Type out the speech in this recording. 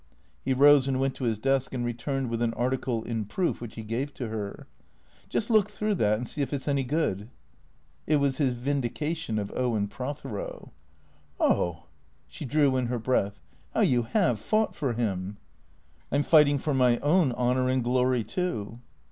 He rose and went to his desk and returned with an article in proof which he gave to her. " Just look through that and see if it 's any good." It was his vindication of Owen Prothero. " Oh " She drew in her breath. " How you have fouglit for him." " I 'm fighting for my own honour and glory, too."